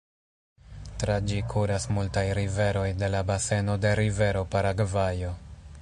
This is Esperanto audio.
Tra ĝi kuras multaj riveroj de la baseno de rivero Paragvajo.